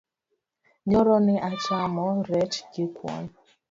Nyoro ne achamo rech gi kuwon